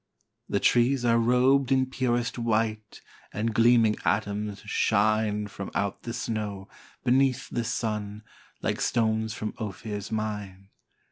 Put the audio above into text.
The trees are rob'd in purest white, And gleaming atoms shine From out the snow, beneath the sun, Like stones from Ophir's mine.